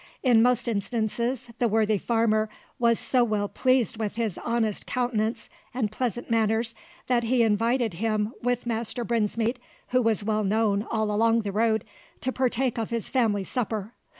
In most instances the worthy farmer was so well pleased with his honest countenance and pleasant manners, that he invited him with Master Brinsmead, who was well known all along the road, to partake of his family supper.